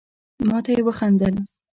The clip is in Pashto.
ما ته يي وخندل.